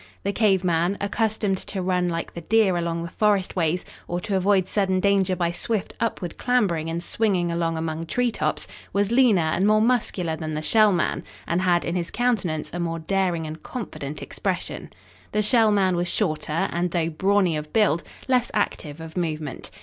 The cave man, accustomed to run like the deer along the forest ways, or to avoid sudden danger by swift upward clambering and swinging along among treetops, was leaner and more muscular than the Shell man, and had in his countenance a more daring and confident expression. The Shell man was shorter and, though brawny of build, less active of movement.